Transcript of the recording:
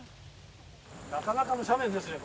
なかなかの斜面ですねこれね。